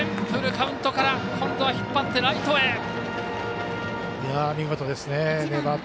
フルカウントから今度は引っ張ってライトへ。